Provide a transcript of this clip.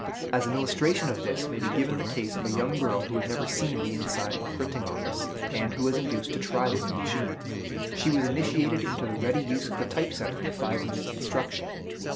As an illustration of this, may be given the case of a young girl who had never seen the inside of a printing office, and who was induced to try the new machine. She was initiated into the ready use of the type setter in five minutes' instruction.